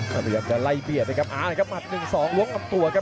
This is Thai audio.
พยายามจะไล่เบียดเลยครับอ่ามัด๑๒หวงอับตัวครับ